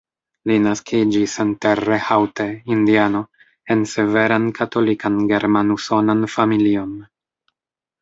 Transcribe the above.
Li naskiĝis en Terre Haute, Indiano, en severan Katolikan German-Usonan familion.